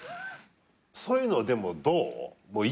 そういうのはでもどう？